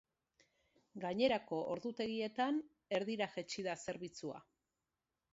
Gainerako ordutegietan, erdira jaitsi da zerbitzua.